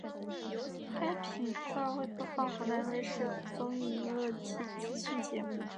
该频道会播放湖南卫视的综艺娱乐及资讯节目。